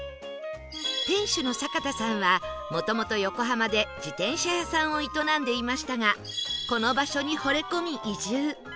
店主のさかたさんはもともと横浜で自転車屋さんを営んでいましたがこの場所にほれ込み移住